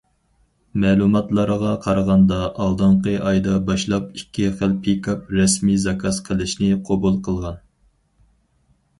مەلۇماتلارغا قارىغاندا، ئالدىنقى ئايدا باشلاپ، ئىككى خىل پىكاپ رەسمىي زاكاز قىلىشنى قوبۇل قىلغان.